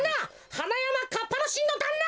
はなやまかっぱのしんのだんな！